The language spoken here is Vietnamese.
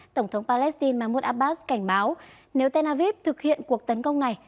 tổng thống palestine mahmoud abbas cảnh báo nếu tel aviv thực hiện cuộc tấn công này